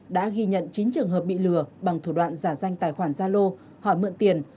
đã ghi nhận chín trường hợp bị lừa bằng thủ đoạn giả danh tài khoản gia lô hỏi mượn tiền